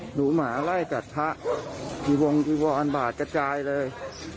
หนูหมาไล่กับพระจิวรรณจิวรรณบาทกระจายเลย